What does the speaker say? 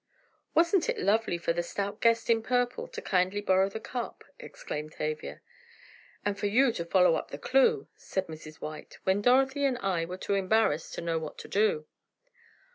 "Wasn't it lovely for the stout guest in purple to kindly borrow the cup!" exclaimed Tavia. "And for you to follow up the clue," said Mrs. White, "when Dorothy and I were too embarrassed to know what to do!"